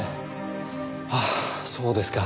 はあそうですか。